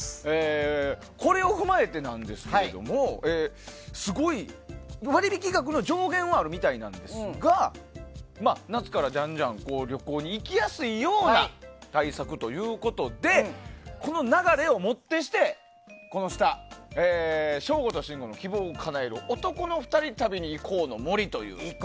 これを踏まえてなんですけども割引額の上限はあるみたいなんですが夏からじゃんじゃん旅行に行きやすいような対策ということでこの流れをもってして省吾と信五の希望をかなえる男２人旅に行こうと。